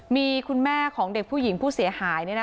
มีคุณแม่ของเด็กผู้หญิงผู้เสียหาย